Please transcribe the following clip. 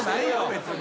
別に。